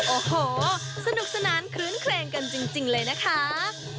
โอ้โหสนุกสนานคลื้นเครงกันจริงเลยนะคะ